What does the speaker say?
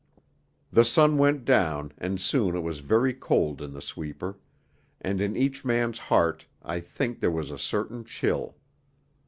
The sun went down, and soon it was very cold in the sweeper: and in each man's heart I think there was a certain chill.